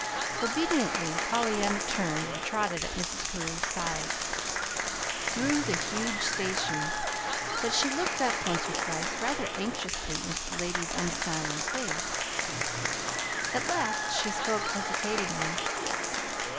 Obediently Pollyanna turned and trotted at Mrs. Carew's side, through the huge station; but she looked up once or twice rather anxiously into the lady's unsmiling face. At last she spoke hesitatingly.